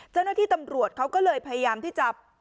เจ้าหน้าที่ตำรวจเขาก็เลยพยายามที่จะ